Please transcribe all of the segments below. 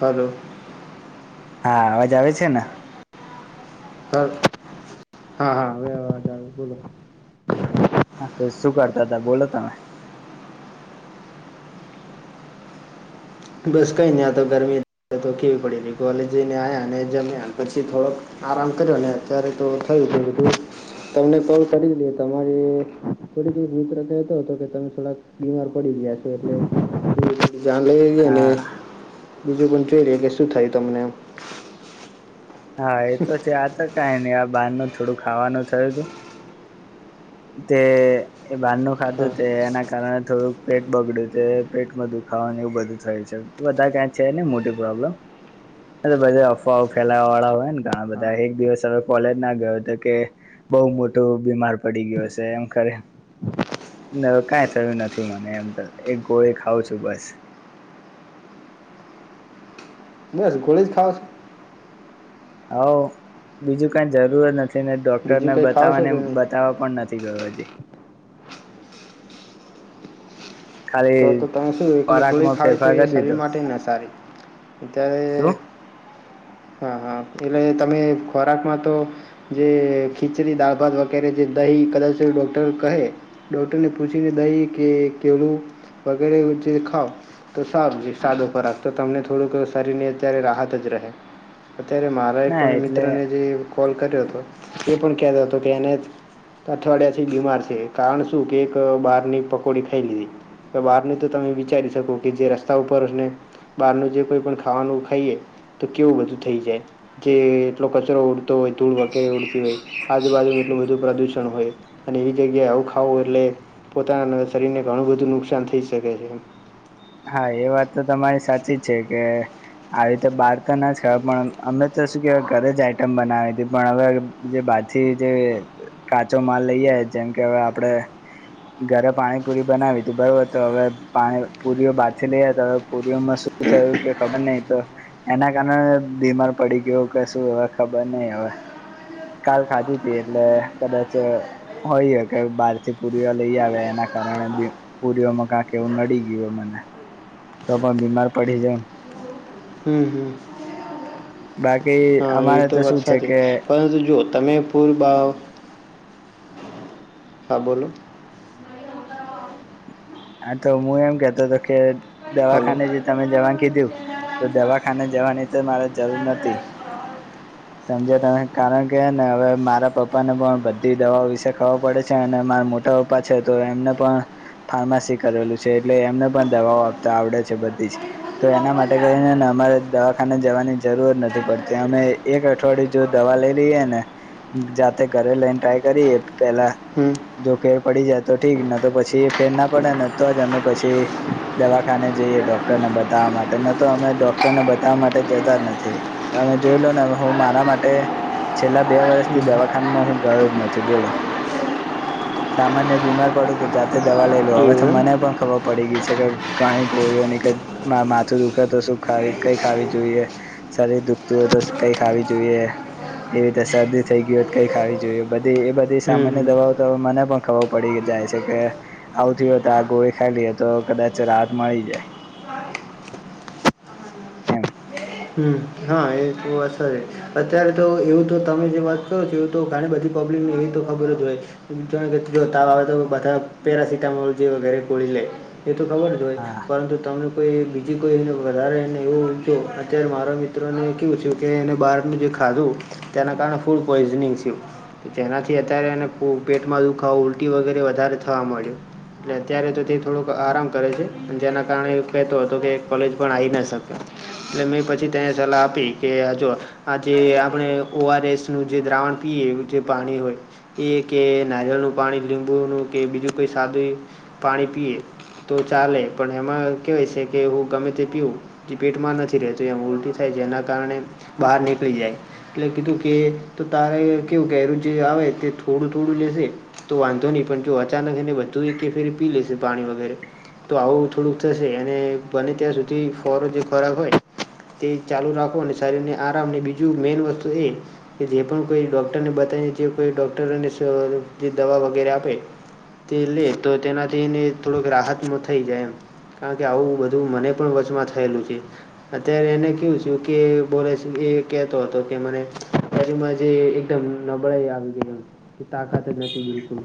Hello. હા અવાજ આવે છેને. સર હા હા વાર બોલો. હા તો શું કરતા હતા બોલો તમે. બસ કંઈને આ તો ગરમી તો કેવી પડેલીહી કોલેજ જઈને આવ્યા અને જમ્યા પછી થોડોક. આરામ કર્યો ને અત્યારે તો થયું હતું બધું. તમને કોલ કરી દે તમારી થોડીક મિત્ર કહેતો હતો કે તમે થોડાક બીમાર પડી ગયા છે, એટલે જા લ. અને હા બીજું પણ જોઈ ર્યાએ કે શું થાય તમનેમ. હા એ તો છે આ તો કઈ નહી આ બહાર નું થોડું ખાવાનું થયું હતુ. તે એ બાર નનું હા ખાધું તે એના. કારણે થોડુંક પેટ બગડ્યું છે, પેટમાં દુખાવાનું એવું બધું થય છે બધા ક. છે ને મોટી પ્રોબ્લેમ. બધા અફવાઓ ફેલાવા વાળા હોય ને ઘણા હા બધા એક દિવસ હવે કોલેજ ના ગયો તો કે બહુ મોટો બીમાર પડી ગયો છે, એમ ખરે. ન કઈ થયું નથી મને એમ તો એક ગોળી ખાવઉ છુ, બસ. બેસ ગોળી જ ખાાવ. હઉ બીજું કઈ જરૂરત નથી ને બીજું ડોક્ટરને કંઈ ખાવ છો બતાવવાને કે નહીં બતાવવા પણ નથી. સ વાબજી. ખાલી તો-તો તમે શું એકલી ગોળી ખોરાકમાં ખાવી તો ફેરફાર એ કરી દીધો શરીર માટે ના સારી. અત્યારે શું હા હા એટલે તમે ખોરાકમાં તો જે ખીચડી દળ ભાત વગેરે જે દહી કદાચ ડૉક્ટર કહે ડોક્ટરને પૂછીને દહી કે કેળું વગેરે જે ખાાવ તો સાબજી સાદો ખોરાક તો તમને થોડું શરીરની અત્યારે રાહત જ રહે અત્યારે મારા [unintelligible] ના એટલે મિત્રને જે કોલ કર્યો હતો, એ પણ કેતો તો કે એને અઠવાડિયાથી બીમાર છે, કારણ શું? કે એક બહારની પકોડી ખાઈ લીધી. તો બહાર ની તો તમે વિચારી શકો કે જે રસ્તા ઉપરને બહારનું જે કોઈ પણ ખાવાનું ખાઈએ તો કેવું બધું થઈ જાય. જે એટલો કચરો ઉડતો હોય, ધૂળ વગેરે ઉડતી હોય, આજુબાજુમાં એટલું બધું પ્રદૂષણ હોય અને એવી જગ્યાએ આવું ખાવું એટલે પોતાના શરીરને ઘણું બધું નુકસાન થઈ શકે છે. હા એ વાત તો તમારી સાચી છે કે આવી રીતે બહાર તો ન જ ખવાય, પણ અમે તો શું કહેવાય ઘરે જ આઈટમ બનાવી તી પણ હવે જે બહારથી જે કાચો માલ લઈ આવે જેમ કે હવે આપડે ઘરે પાણીપુરી બનાવી તી બરોબર, તો હવે પાણી પુરીઓ બહારથી લઈ આવ્યા તા તો પુરીઓમાં શું થયું કે ખબર નહીં તો એના કારણે બીમાર પડી ગયો કે શું હવે ખબર નહીં હવે. કાલ ખાધી તી એટલે કદાચ હોય હે કે બહાર થી પુરીઓ લઈ આવે, એના કારણે બે પુરીઓમાં કાક એવું નડી ગયું મને. તો પણ બીમાર પડી જઉ. હમ્મ-હમ્મ. બાકી એ અમારે તો શું છે વરસાદે, કે પરંતુ જો તમે પુલ બહાવ હા બોલો. હા તો હું એમ કેતો તો કે હલો દવાખાને જે તમે જવા કીધું તો દવાખાને જવાની તો મારે જરૂર નતી. [inaudible] સમજ્યા તમે, કારણ કે હે ને હવે મારા પપ્પાને પણ બધી દવા વિશે ખબર પડે છે, અને મારા મોટ તો પાછળ હતું, એમને પણ ફાર્માસી કરેલું છે, એટલે એમને પણ દવાઓ આપતા આવડે છે બધી જ. તો એના માટે કરીને હે ને અમારે દવાખાને જવાની જરૂર નથી પડતી, અમેય એક અઠવાડિયું જો દવા લઈ લઈએ ને, જાતે ઘરે લઈને ટ્રાય કરીએ પેલા. હમ જો ફેર પડી જાય તો ઠીક, નતર પછી ફેર ના પડે ને તો જ અમે પછી દવાખાને જઈએ ડોક્ટરને બતાવવા માટે, ન તો અમે ડોક્ટરને બતાવવા માટે જતા નથી. તમે જોઈ લો ને હવે હું મારા માટે છેલ્લા બે વર્ષથી હમ દવાખાનામાં હું ગયો જ નથી બોલો. સામાન્ય બીમાર પડું તો જાતે દવા લઈ લ તો હવે તો એવું એમ મને પણ ખબર પડી ગઈ છે કે ઘણી ગોળીઓની કે મા માથું દુખે તો શું ખાવી કઈ ખાવી જોઈએ શરીર દુખતું હોય તો સ કઈ ખાવી જોઈએ એવી રીતે શરદી થઈ ગઈ હોય તો કઈ ખાવી જોઈએ, બધી એ બધી હમ સામાન્ય હમ દવાઓ તો મને પણ ખબર પડી જાય છે કે આવથી હોય [unintelligible] આ ગોળી ખાઈ લઈએ તો કદાચ રાહત મળી જાય. એમ. હમ્મ, હા એ તો અસર હે. અત્યારે તો એવું તો તમે જે વાત કરો છો એવું તો ઘણી બધી પ્રોબ્લેમ એ તો ખબર જ હોય. [unintelligible] જો તાવ આવે તો બધા પેરાાસિટામોલ જેવી ઘેરે ગોળી લે. એ તો ખબર જ હોય હા પરંતુ તમને કોઈ બીજી કોઈ એને વધારે એને એવું ઈવુ તો અત્યારે મારા મિત્રો ને કેવું છે કે એને બહારનું જે ખાધું તેના કારણે ફૂડ પોઈઝનિંગ છે. જેનાથી અત્યારે એને પેટમાં દુખાવો ઉલટી વગેરે વધારે થવા મળ્યો એટલે અત્યારે તો તે થોડુંક આરામ કરે છે, અને જેના કારણે એ કહેતો હતો કે એ કોલેજ પણ આઈ ના શકે. એટલે મેં પછી તેને સલાહ આપી કે આ જો આજે આપણે ઓ આર એસ નું જે દ્રાવણ પીએ, જે પાણી હોય એ કે નારિયલનું પાણી, લીંબુ નું, કે બીજું કોઈ સાદુંય પાણી પીએ તો ચાલે, પણ એમાં કેવાય છે કે હું ગમે તે પીઉ જે પેટમાં નથ [unintelligible] એમ ઉલટી થાય જેના કારણે બહાર નીકળી જાય. એટલે કીધું કે તારે કેવું કેરું જે આવે તે થોડું થોડું લેશે તો વાંધો નહી પણ જો અચાનક એને બધું કે ફેરી પી લેશે પાણી વગેરે તો આવું થોડુંક થશે અને બને ત્યાં સુધી ફોરો જે ખરાબ હોય તે ચાલુ રાખો અને શરીરને આરામને બીજું મેન વસ્તુ એ કે જે પણ કોઈ ડોક્ટરને બતાવીને જે કોઈ ડોક્ટરને જે દવા વગેરે આપે તે લે તો તેનાથી એને થોડોક રાહતમાં થઈ જાય એમ કારણ કે આવું બધું મને પણ વચમાં થયેલું છે. અત્યારે એને કવું છું કે બોલેશ એ કેહેતો હતો કે મને બાજુમાં જે મ નબળાઈ આવી ગય તાકાત જ નથી બિલકુલ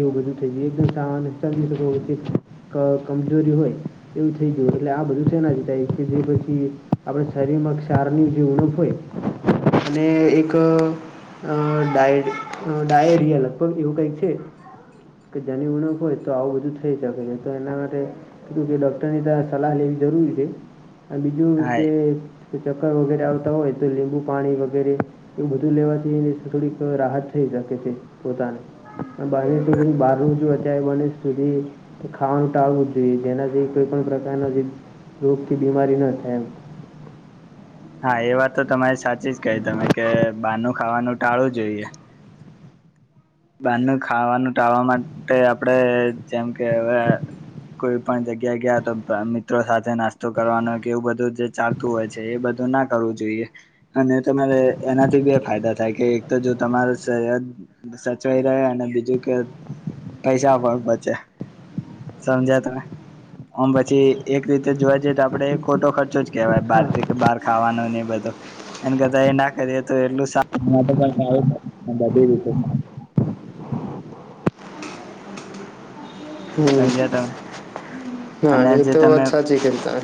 એવું બધું થઈ ગયું એકદમ ચા ચલી શ કમજોરી હોય એવું થઈ ગયું એટલે આ બધું છે ના જ થાય કે જે પછ આપણા શરીરમાં ક્ષારની જે ઉણપ હોય અને એક અ ડાય ડાયરિયા લગભગ એવું કઈક છે. કે જણી ઉણખ હોય તો આવું બધું થઈ શકે છે તો એના માટે [unintelligible] ડોક્ટર ની ત સલાહ લેવી જરૂરી છે. અને બીજું હા કે ચક્કર વગેરે આવતા હોય તો લીંબુ પાણી વગેરે એવું બધું લેવાથી થોડીક રાહત થઈ શકે છે પોતાને બાર ટકું બહારું જ અચ્યારે મનેસ સુધી ખાવાનું ટાળવું જ જોઈએ જેનાથી કોઈ પણ પ્રકારના જે રોગથી બીમારી ન થાય એમ હા એ વાત તો તમારે સાચી જ કહી તમે કે બાનું ખાવાનું ટાળવું જોઈએ બારણું ખાવાનું ટાવા માટે આપડે જેમ કે હવે કોઈ પણ જગ્યા ગયા તો મિત્રો સાથે નાસ્તો કરવાનો કે એવું બધું જે ચાલ તુ હોય છે એ બધું ના કરવું જોઈએ અને તમારે એનાથી બી એ ફાયદા થાય કે એક તો જો તમાર સર [unintelligible] ચઈ રહે અને બીજું કે પૈસા પણ બચે સમજ્યા તમે આમ પછી એક રીતે જોવા જઈએ તો આપડે ખોટો ખર્ચો છ. કેવાય બહાર થી બહાર ખાવાનો ને બધો એમ કરતા એ ના કરીએ તો એટલારું બધીતે હમ સમજા ત હા એ તો વાત સાચી છે ચ કેતા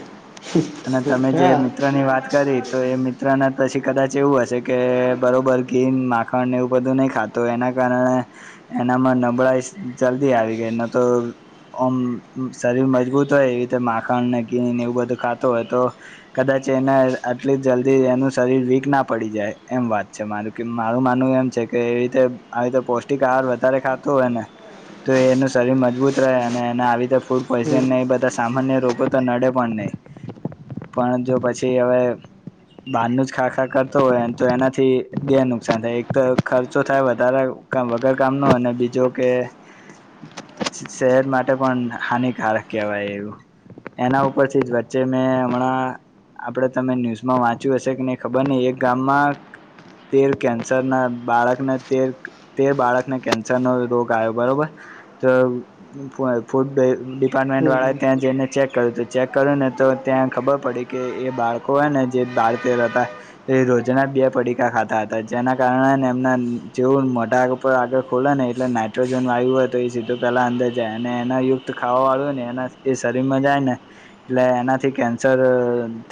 અને તમે જે મિત્ર ની વાત કરી તો એ મિત્રને પછી કદાચ એવું હશે કે બરોબર ઘી માખણ એવું બધું નહીં ખાત તું એના કારણે એનામાં નબળાાઈ જલ્દી આવી ગઈ ન તો ઓમ શરીર મજબૂત હોય એવી રીતે માખણ ને ઘીને એવું બધું ખાતું હોય તો કદાચ એને આટલી જલ્દી એનું શરીર વીક ના પડી જાય એમ વાત છે મારે કે મારું માનવું એમ છે કે એ રીતે આવી રીતે પૌષ્ટિક આહાર વધારે ખાતો હોયને તો એનું શરીર મજબૂત રહે અને એને આવી ર તો ફૂડ હમ પોઈઝન નહી બધા સામાન્ય રોગો તો નડે પણ નહીં પણ જો પછી હવે બાર ન જ ખા ખા કરતો હોયને તો એનાથી બે નુકસાન થાય એક તો ખર્ચો થાય વધારે કા વગર કામનો અને બીજો કે શહેર માટે પણ હાનિકારક કહેવાય એવું એના ઉપરથી જ વચ્ચે હમણાં આપડે તમે ન્યુઝમાં વાંચ્યું હશે કે ન ખબર નહ એક ગામમાં તેર કેન્સર ના બાળકને તેર તેર બાળકને કેન્સર નો રોગ આવ્યો બરોબર ફૂડ. ડિપાર્ટમેન્ટ હમ હમ વાળા ત્યાં જઈને ચેક કર્યું હતું ચેક કરું ને. તો ત્યાં ખબર પડી કે એ બાળકો હોય ને જે બાળતેર હતા. રોજના બે પડીકા ખાતા હતા જેના કારણે એમના જેવું મોઢા આગળ ખોલે ને એટલે નાઇટ્રોજન વાયુ હોય તો એ સીધું પેલા અંદર જાય અને એના યુક્ત ખાવા વાળું હોય ને એના એ શરીર મજાાય ને એટલે એનાથી કેન્સર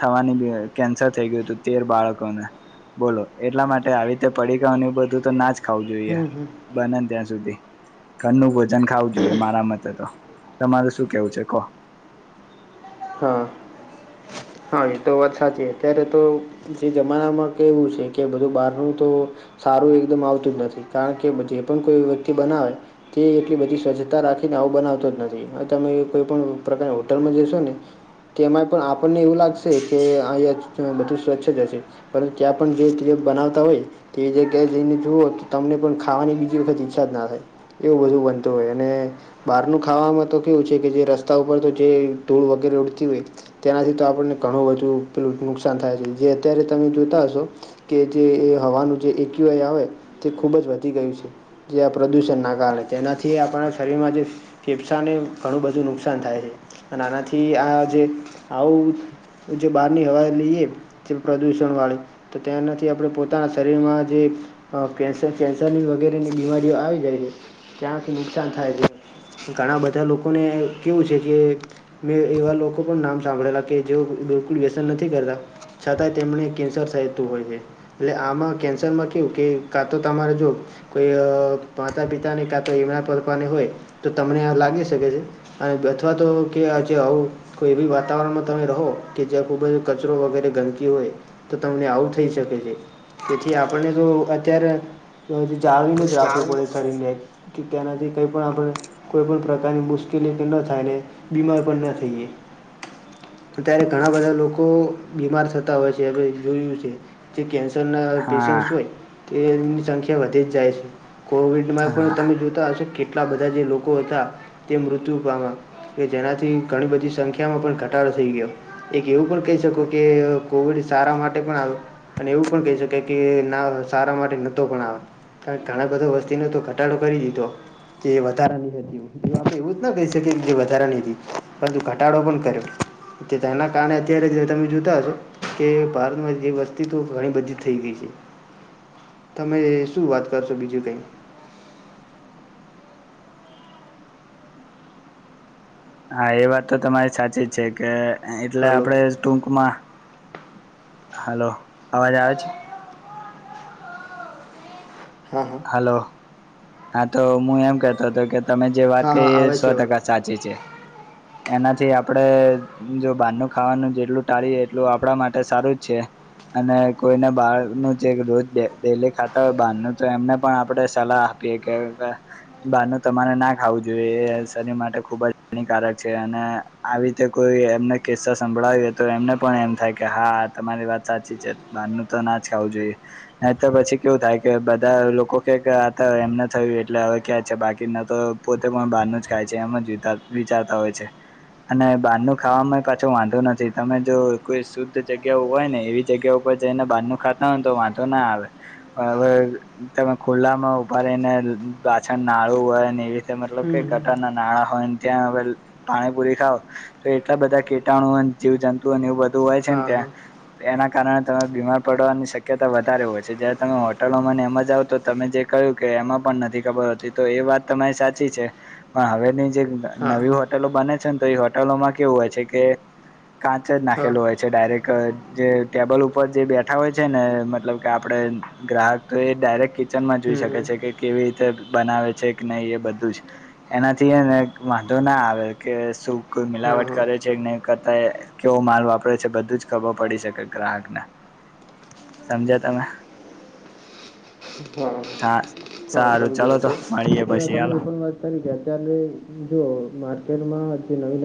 થવાની કેન્સર થઈ ગયું હતું તેર બાળકોને. બોલો એટલા માટે આવી રીતે પડી ગ એ બધું તો ના જ ખાવું જોઈએ હમ હમ બને ત્યાં સુધી. ઘરનું ભોજન ખાવું જોઈએ મારા મતે તો, તમાર શું કેવું છે કહો? હા હ. હા એ તો વાત સાચી અત્યારે તો જે જમાનામાં કહેવું છે કે બધું બહારનું તો સારું એકદમ આવતું જ નથી કારણ કે જે પણ કોઈ વ્યક્તિ બનાવે. તે એટલી બધી સ્વચ્છતા રાખીને આવું બનાવતો જ નથી હવે તમે કોઈ પણ પ્રકારની હોટલમાં જશો ને તેમાં પણ આપણને એવું લાગશે કે અહીંયા બધું સ્વચ્છ જશે. પરંત ત્યાં પણ જે ત બનાવતા હોય. તે જગ્યા જઈને જુઓ કે તમને પણ ખાવાની બીજી વખત ઈચ્છા જ ના થાય. એવું બધું બનતું હોય અને બહારનું ખાવામાં તો કેવું છે કે જે રસ્તા ઉપર તો જે ધૂળ વગેરે ઉડતી હોય તેનાથી તો આપણને ઘણું બધું પેલું નુકસાન થાય છે જે અત્યારે તમે જોતા હશો. કે જે એ હવાનું જે એક્યુઆઈ આવે તે ખૂબ જ વધી ગયું છે. જે આ પ્રદૂષણ ના કારણે તેનાથી આપણા શરીરમાં જે ફેફસાને ઘણું બધું નુકસાન થાય છે અને આનાથી આ જે આવું જો બહારની હવા લઈએ જે પ્રદુષણ વાળી-' તો તે્યાંનાથી આપણે પોતાના શરીરમાં જે. કે કેન્સરની વગેરેની બીમારીઓ આવી જાય છે ત્યાંથી નુકસાન થાય છે. ઘણા બધા લોકોને કેવું છે કે મેં એવા લોકો પણ નામ સાંભળેલા કે જેઓ બિલકુલ વ્યસન નથી કરતા છતાં તેમને કેન્સર સતું હોય છે. એટલે આમાં કેન્સરમાં કેવું કે કા તો તમારે જો-' કોઈ માતા પિતા ને કા એમના પપને હોય તો તમને લાગી શકે છે. અને અથવા તો કેજ આવું કોઈ એવી વાતાવરણમાં તમે રહો. કે જ્યાં ખૂબ જ કચરો વગેરે ગંદકી હોય તો તમને આવું થઈ શકે છે. તેથી આપણને તો અત્યારે જાળવીને જ રાખવું પડે શરીર ને. કે ત્યાંનાથી કંઈ પણ આપણેને કોઈ પણ પ્રકારની મુશ્કેલી ના થાયને બીમાર પણ ના થઈએ. ઘણા બધા લોકો બીમાર થતા હોય છે હવે જોયું છે. જે કેન્સર ના હા પેશન્ટ હા હોય તેની સંખ્યા વધી જ જાય છે. કોવિડમાં પણ તમે જોતા હશો કેટલા બધા જે લોકો હતા તે મૃત્યુ પામ્યા. કે જેનાથી ઘણી બધી સંખ્યા માં પણ ઘટાડો થઈ ગયો. એક એવું પણ કહી શકો કે કોવિડ સારા માટે પણ આવે. અને એવું પણ કહી શકાય કે ના સારા માટે નતો પણ આવે. કાર ઘણા બધો વસ્તીનો તો ઘટાડો કરી દીધો. કે વધારેા નહી આપણે એવું જ ના કહી શકીએ જે વધારારે નહ પરંતુ ઘટાડો પણ કર્યો. તેના કારણે અત્યારે જ તમે જોતા હશો. કે ભારતમાં જે વસ્તી તો ઘણી બધી થઈ ગઈ છે. તમે શું વાત કરશો બીજું કંઈ.? હા એ વાત તો તમારી સાચી જ છે કે એટલે હલો આપડે. ટૂંકમાં હલો અવાજ આવે છે.? હા હા. હાલો હા તો હું એમ કતો હતો કે તમે જે વાત હા હા કરી એ આવે સો છે અવાજ ટકા સાચી છે એનાથી આપડે-' જો બહારનું ખાવાનું જેટલું ટાળીએ એટલું આપણા માટે સારું જ છે. અને કોઈને બહાર નું જે રોજ ડેલી ખાતા હોય બહારનું તો એમને પણ આપણે સલાહ આપીએ કે બારનું તમારે ના ખાવું જોઈએ એ શરીર માટે ખુબ જ હાનિકારક છે અને આવી રીતે કોઈ એમને કિસ્સા સંભળાવીએ તો એમને પણ એમ થાય કે હા તમારી વાત સાચી છે. બહાર નું તો ના જ ખાવું જોઈએ ન તો પછી કેવું થાય કે બધા લોકો કક આ એમને થયું એટલે હવે ક્યાં છે બાકીના તો પોતે પણ બહારનું જ ખાય છે એમ જ વિચારતા હોય છે. અને બહારનું ખાવામાં પાછો વાંધો નથી તમે જો કોઈ શુદ્ધ જગ્યા હોય ને એવી જગ્યા ઉપર જઈને બહારનું ખાતા હોયને તો વાંધો ના આવે પણ હવે તમે ખુલ્લા માં ઉભા રહીને પાછળ નાળું હોય ને એવી રીતે મતલબ કે હમ હમ ગટર નાળા હોયને ત્યાં હ પાણીપુરી ખાવ તો એટલા બધા કીટાણુ જીવ જંતુઓ ને એવું બધું હોય છે ને હા હા ત્યાં એના કારણે તમે બીમાર પડવાની શક્યતા વધારે હોય છે જયારે તમે હોટલોમાં એમ જ જાવ તો તમે જે કહ્યું કે એમાં પણ નથી ખબર હોતી તો એ વાત તમારી સાચી છે. પણ હવેની જે હા નવી હોટલો બને છે ને તો એ હોટેલોમાં કેવું હોય છે કે કાચ જ હા નાખેલું હોય છે ડાયરેક્ટ જે ટેબલ ઉપર જે બેઠા હોય છે ને મતલબ કે આપડે ગ્રાહકતો એ ડાયરેક્ટ કિચનમાં જોઈ હમ શકે હમ છે કે કેવી રીતે બનાવે છે કે નહીં એ બધું જ એનાથીને વાંધો ના આવે કે શું કોઈ હા મિલાવટ હા કરે છે કે નહી કરતા કેવો માલ વાપરે છે બધું જ ખબર પડી શકે ગ્રાહકને સમજ્યા તમે હા. હા [unintelligible] સારું અત્યારે ચાલો તો મળીએ પછી હાલો જો માર્કેટમાં જે નવી